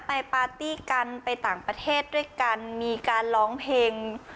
ปาร์ตี้กันไปต่างประเทศด้วยกันมีการร้องเพลง